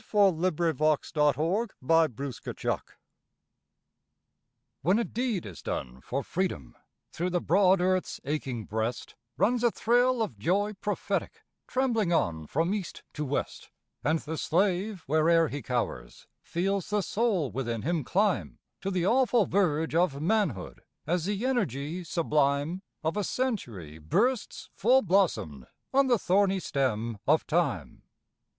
The Present Crisis WHEN a deed is done for Freedom, through the broad earth's aching breast Runs a thrill of joy prophetic, trembling on from east to west, And the slave, where'er he cowers, feels the soul within him climb To the awful verge of manhood, as the energy sublime Of a century bursts full blossomed on the thorny stem of Time.